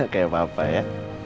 kayak papa ya